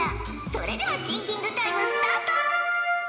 それではシンキングタイムスタート！